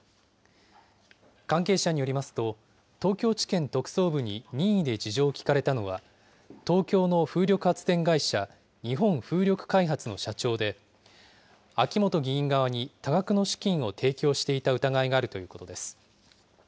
関係者によりますと、東京地検特捜部に任意で事情を聴かれたのは、東京の風力発電会社、日本風力開発の社長で、秋本議員側に多額の資金を提供していた疑いがあるということです。